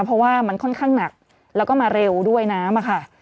เพราะว่ามันค่อนข้างหนักแล้วก็มาเร็วด้วยน้ำอะค่ะ